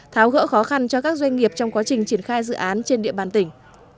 tháo gỡ khó khăn cho các doanh nghiệp trong quá trình triển khai dự án trên địa bàn tỉnh